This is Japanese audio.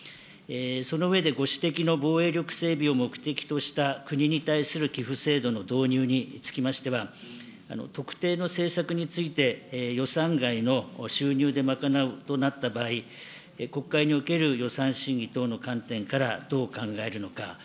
その上でご指摘の防衛力整備を目的とした、国に対する寄付制度の導入につきましては、特定の政策について予算外の収入で賄うとなった場合、国会における予算審議等の観点から、どう考えるのか。